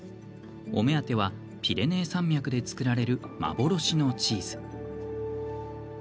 お目当てはピレネー山脈で造られる幻のチーズ。